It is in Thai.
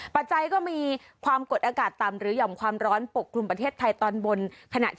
ปัจจัยก็มีความกดอากาศต่ำหรือห่อมความร้อนปกกลุ่มประเทศไทยตอนบน